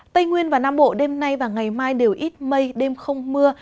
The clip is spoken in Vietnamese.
tây nguyên và nam bộ đêm nay và ngày mai đều ít mây đêm không mưa